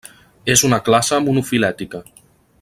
És una classe monofilètica.